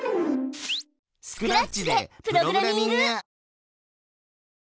スクラッチでプログラミング！